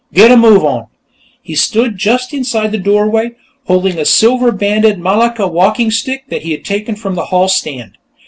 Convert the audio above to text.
"Git a move on." He stood just inside the doorway, holding a silver banded malacca walking stick that he had taken from the hall stand.